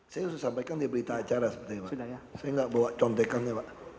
saya harus sampaikan di berita acara seperti ini pak saya nggak bawa contekan ya pak